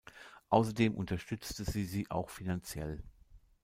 Außerdem unterstützte sie sie auch finanziell.